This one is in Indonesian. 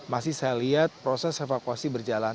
masih saya lihat proses evakuasi berjalan